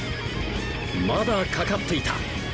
まだ掛かっていた！